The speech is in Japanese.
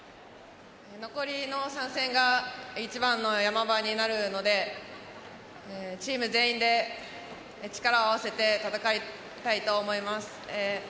残りの３戦が一番のヤマ場になるのでチーム全員で力を合わせて戦いたいと思います。